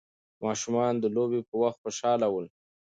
ماشومان د لوبې په وخت خوشحاله ول.